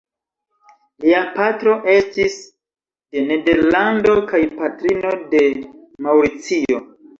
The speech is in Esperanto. Lia patro estis de Nederlando kaj patrino de Maŭricio.